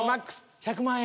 １００万円。